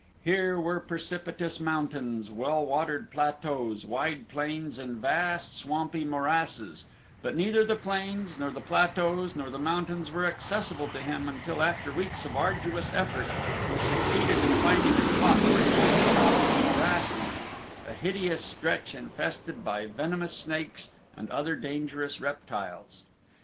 Here were precipitous mountains, well watered plateaus, wide plains, and vast swampy morasses, but neither the plains, nor the plateaus, nor the mountains were accessible to him until after weeks of arduous effort he succeeded in finding a spot where he might cross the morasses a hideous stretch infested by venomous snakes and other larger dangerous reptiles.